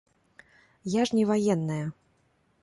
Я ж не ваенная.